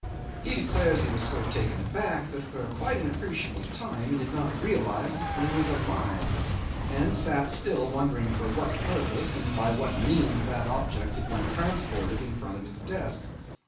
He declares he was so taken aback that for quite an appreciable time he did not realise the thing was alive, and sat still wondering for what purpose and by what means that object had been transported in front of his desk.